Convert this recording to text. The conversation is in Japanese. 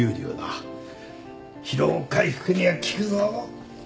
疲労回復には効くぞ